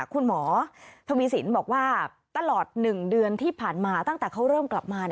คุณหมอทวีสินบอกว่าตลอด๑เดือนที่ผ่านมาตั้งแต่เขาเริ่มกลับมา